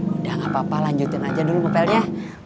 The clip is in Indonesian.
udah gapapa lanjutin aja dulu mepelnya